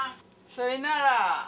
そいなら。